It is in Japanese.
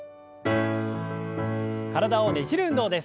体をねじる運動です。